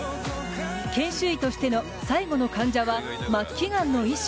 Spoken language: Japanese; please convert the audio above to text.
研修医としての最後の患者は末期がんの医師。